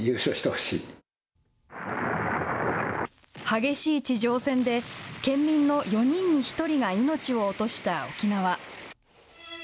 激しい地上戦で県民の４人に１人が命を落とした沖縄。